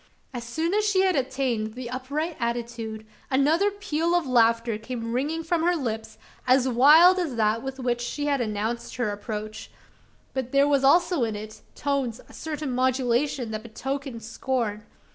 As soon as she had attained the upright attitude, another peal of laughter came ringing from her lips, as wild as that with which she had announced her approach; but there was also in its tones a certain modulation that betokened scorn!